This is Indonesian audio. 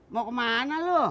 mau kemana lu